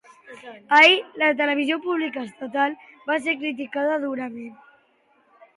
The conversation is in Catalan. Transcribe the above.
Ahir, la televisió pública estatal va ser criticada durament.